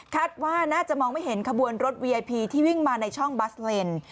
ว่าน่าจะมองไม่เห็นขบวนรถวีไอพีที่วิ่งมาในช่องบัสเวน